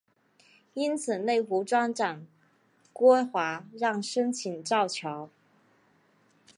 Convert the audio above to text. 因此内湖庄长郭华让申请造桥。